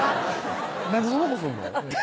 なんでそんなことすんの？